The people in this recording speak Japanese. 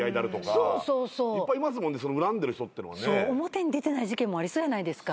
表に出てない事件もありそやないですか。